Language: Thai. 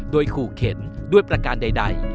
โดยขู่เข็นด้วยประการใด